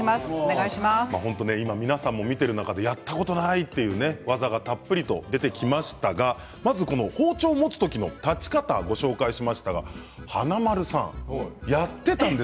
本当に今みんな見ている中でやったことないという技がたっぷりと出てきましたがまず、包丁を持つ時の立ち方をご紹介しましたが華丸さん、やってたんです。